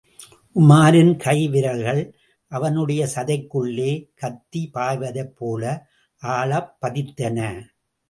உமாரின் கை விரல்கள், அவனுடைய சதைக்குள்ளே கத்தி பாய்வதைப்போல ஆழப் பதித்தன.